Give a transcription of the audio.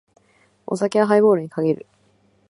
お酒はハイボールに限る。